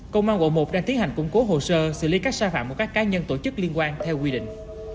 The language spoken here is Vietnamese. công an quận một đang tiến hành củng cố hồ sơ xử lý các sai phạm của các cá nhân tổ chức liên quan theo quy định